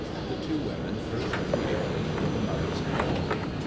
The two women first created were the mothers of all.